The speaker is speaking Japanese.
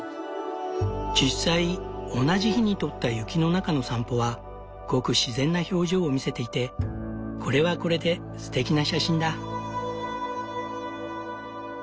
実際同じ日に撮った雪の中の散歩はごく自然な表情を見せていてこれはこれですてきな写真だ。